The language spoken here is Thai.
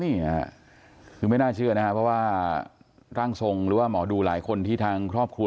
นี่ถึงไม่น่าเชื่อนะครับเพราะว่ารังทรงหรือว่าหมอดุหลายคนที่ทันที